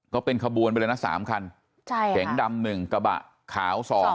ก็เป็นขบวนไปเลยนะ๓คันเก๋งดำ๑กระบะขาว๒